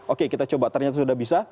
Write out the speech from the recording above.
oke kita coba ternyata sudah bisa